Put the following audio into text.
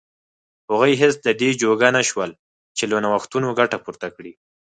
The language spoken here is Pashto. هغوی هېڅ د دې جوګه نه شول چې له نوښتونو ګټه پورته کړي.